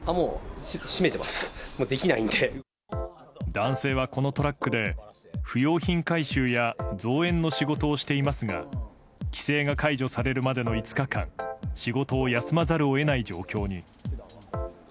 男性は、このトラックで不用品回収や造園の仕事をしていますが規制が解除されるまでの５日間仕事を休まざるを得ない状況に。